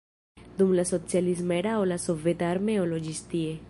Dum la socialisma erao la soveta armeo loĝis tie.